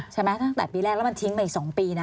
ใช่ไหมตั้งแต่ปีแรกแล้วมันทิ้งไป๒ปีนะ